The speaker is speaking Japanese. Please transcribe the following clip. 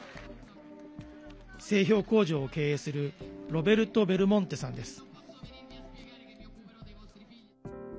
製氷工場を経営するロベルト・ベルモンテさんです。